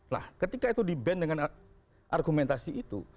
nah ketika itu di ban dengan argumentasi itu